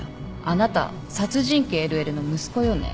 あなた殺人鬼・ＬＬの息子よね？